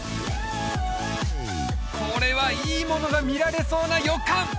これはいいものが見られそうな予感！